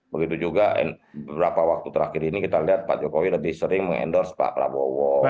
begitu juga beberapa waktu terakhir ini kita lihat pak jokowi lebih sering mengendorse pak prabowo